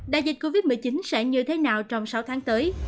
đại dịch covid một mươi chín sẽ như thế nào trong sáu tháng tới